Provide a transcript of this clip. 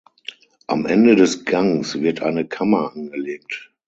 Am Ende des Gangs wird eine Kammer angelegt.